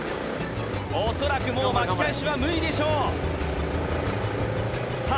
恐らくもう巻き返しは無理でしょうさあ